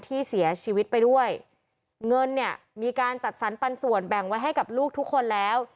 ที่เสียชีวิตไปด้วยเงินเนี่ยมีการจัดสรรปันส่วนแบ่งไว้ให้กับลูกทุกคนแล้ว